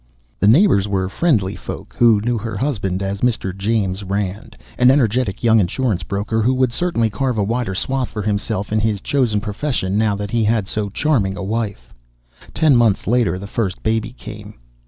The neighbors were friendly folk who knew her husband as Mr. James Rand, an energetic young insurance broker who would certainly carve a wider swath for himself in his chosen profession now that he had so charming a wife. Ten months later the first baby came.